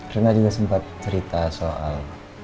karena juga sempat cerita soal